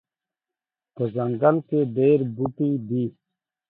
په ځنګل کې ډیر بوټي دي